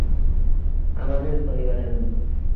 আমাদের পরিবারের মূল।